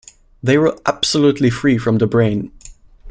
They were absolutely free from brain.